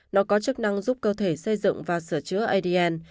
nó có chức năng giúp cơ thể xây dựng và sửa chữa adn